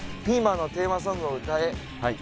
「ピーマンのテーマソングを歌え」